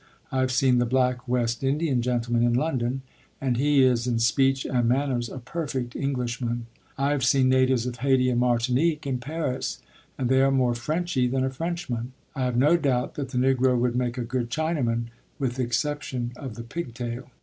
I have seen the black West Indian gentleman in London, and he is in speech and manners a perfect Englishman. I have seen natives of Haiti and Martinique in Paris, and they are more Frenchy than a Frenchman. I have no doubt that the Negro would make a good Chinaman, with exception of the pigtail.